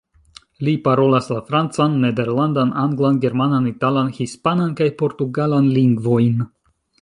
Li parolas la francan, nederlandan, anglan, germanan, italan, hispanan kaj portugalan lingvojn.